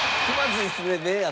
気まずいですね